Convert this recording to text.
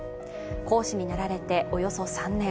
皇嗣になられておよそ３年。